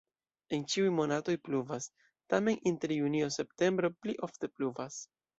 En ĉiuj monatoj pluvas, tamen inter junio-septembro pli ofte pluvas.